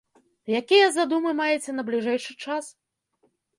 Якія задумы маеце на бліжэйшы час?